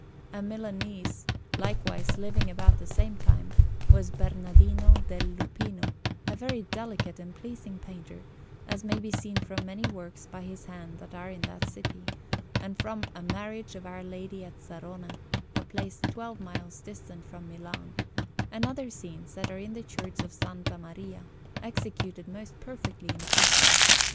A Milanese, likewise, living about the same time, was Bernardino del Lupino, a very delicate and pleasing painter, as may be seen from many works by his hand that are in that city, and from a Marriage of Our Lady at Sarone, a place twelve miles distant from Milan, and other scenes that are in the Church of S. Maria, executed most perfectly in fresco.